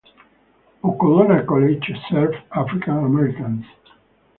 Okolona College served African Americans.